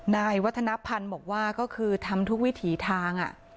นายวัฒนภัณฑ์บอกว่าก็คือทำทุกวิถีทาง